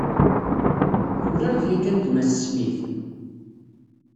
Temlaleḍ yakan d Mass Smith?